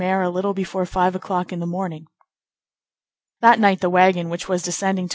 a little before five o'clock in the morning. That night the wagon which was descending to M.